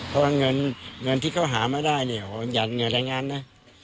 เพราะว่าเงินที่เขาหามาได้เนี่ยอย่างเงินแหล่งงานนะ